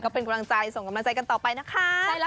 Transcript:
เป็นกำลังใจส่งกำลังใจกันต่อไปนะคะ